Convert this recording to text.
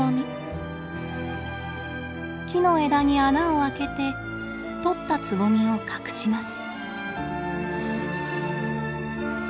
木の枝に穴を開けてとったつぼみを隠します。